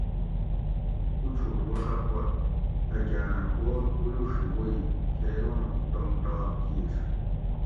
اوچھوٹ وخہ پت اۤ گاۤنہ کور اولوڛی ووئ کھیروں ڈنگ ٹاپ کِیر